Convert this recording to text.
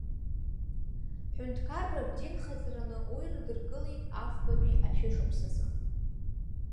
Ҳәынҭкарратә динхаҵараны уи рыдыркылеит афбатәи ашәышықәсазы.